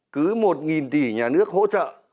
cứ một tỷ nhà nước hỗ trợ